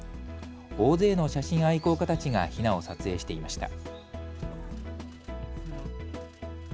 大勢の写真愛好家たちがヒナを撮影していました。